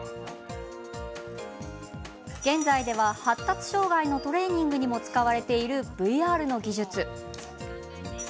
現在では、発達障害のトレーニングにも使われているＶＲの技術。